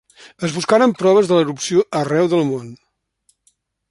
Es buscaren proves de l'erupció arreu del món.